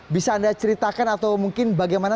bisa anda ceritakan atau mungkin bagaimana